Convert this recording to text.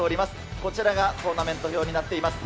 こちらがトーナメント表になっております。